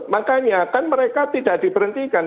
makanya kan mereka tidak diberhentikan